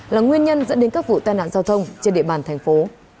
là nguyên nhân dẫn đến các vụ tai nạn giao thông trên địa bàn thành phố